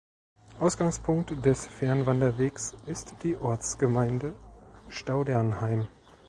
Ausgangspunkt des Fernwanderwegs ist die Ortsgemeinde Staudernheim.